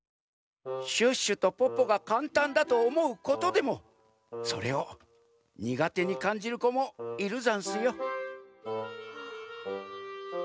シュッシュとポッポがかんたんだとおもうことでもそれをにがてにかんじるこもいるざんすよ。